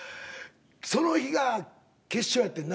その日が決勝やってんな。